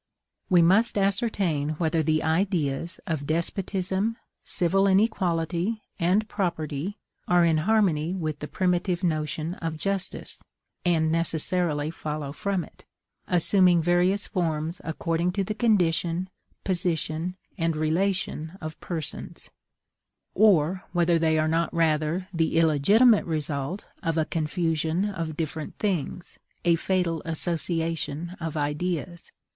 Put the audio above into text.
We must ascertain whether the ideas of DESPOTISM, CIVIL INEQUALITY and PROPERTY, are in harmony with the primitive notion of JUSTICE, and necessarily follow from it, assuming various forms according to the condition, position, and relation of persons; or whether they are not rather the illegitimate result of a confusion of different things, a fatal association of ideas.